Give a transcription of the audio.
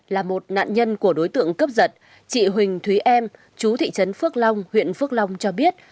là một nạn nhân của đối tượng cướp giật chị huỳnh thúy em chú thị trấn phước long huyện phước long cho biết